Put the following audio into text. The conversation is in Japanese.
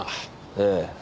ええ。